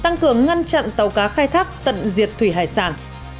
tăng cường ngăn chặn tàu cá khai thác tận diệt thủy hải sản